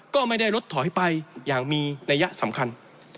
ก็ไม่ได้ลดถอยไปอย่างมีนัยยะสำคัญ